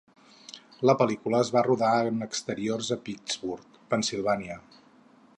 La pel·lícula es va rodar en exteriors a Pittsburgh, (Pennsilvània).